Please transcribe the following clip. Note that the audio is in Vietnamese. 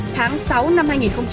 tháng sáu năm hai nghìn một mươi sáu